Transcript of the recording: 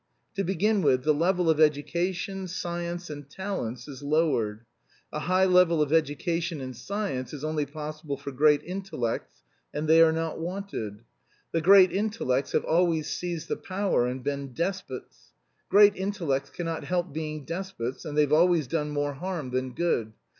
To begin with, the level of education, science, and talents is lowered. A high level of education and science is only possible for great intellects, and they are not wanted. The great intellects have always seized the power and been despots. Great intellects cannot help being despots and they've always done more harm than good.